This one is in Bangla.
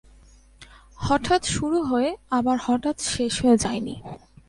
হঠাৎ শুরু হয়ে আবার হঠাৎ শেষ হয়ে যায়নি।